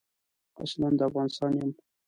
اصلاً د افغانستان یم.